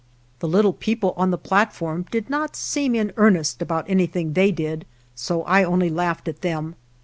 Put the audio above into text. The little people on the plat form did not seem in earnest about anything they did; so I only laughed at them.